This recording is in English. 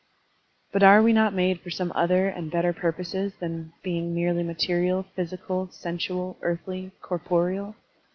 But are we not made for some other and better purposes than being merely material, physical, sensual, earthly, corporeal?